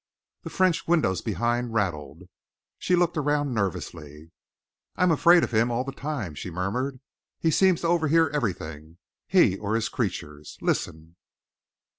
The French windows behind rattled. She looked around nervously. "I am afraid of him all the time," she murmured. "He seems to overhear everything he or his creatures. Listen!"